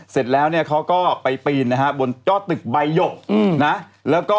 เสร็จแล้วเขาก็ไปปีนบนยอดตึกใบโหยก